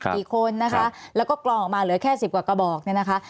กี่คนนะคะแล้วก็กรองออกมาเหลือแค่สิบกว่ากระบอกเนี่ยนะคะ